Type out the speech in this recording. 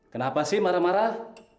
kenapa sih marah marah